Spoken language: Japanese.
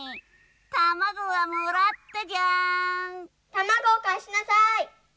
たまごをかえしなさい！